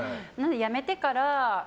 辞めてから。